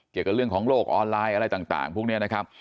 เกี่ยวกับเรื่องของโลกออนไลน์อะไรต่างพวกนี้นะครับ